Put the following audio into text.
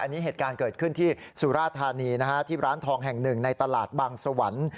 อันนี้เหตุการณ์เกิดขึ้นที่สุราธานีนะฮะที่ร้านทองแห่งหนึ่งในตลาดบางสวรรค์